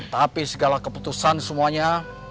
tapi segala keputusan semuanya